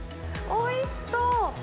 おいしそう。